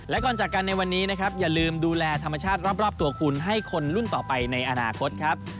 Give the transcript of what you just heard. และก่อนจากกันในวันนี้นะครับอย่าลืมดูแลธรรมชาติรอบตัวคุณให้คนรุ่นต่อไปในอนาคตครับ